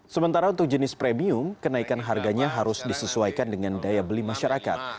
sementara untuk jenis premium kenaikan harganya harus disesuaikan dengan daya beli masyarakat